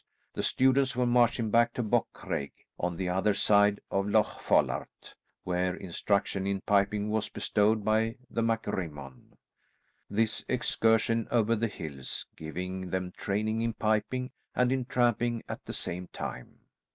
The students were marching back to Bocraig on the other side of Loch Follart, where instruction in piping was bestowed by the MacRimmon; this excursion over the hills giving them training in piping and in tramping at the same time.